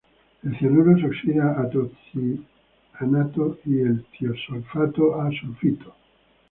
El cianuro se oxida a tiocianato y el tiosulfato a sulfito.